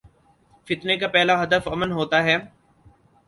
فتنے کا پہلا ہدف امن ہو تا ہے۔